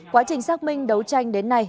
quá trình xác minh đấu tranh đến nay